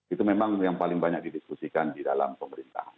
itu memang yang paling banyak didiskusikan di dalam pemerintahan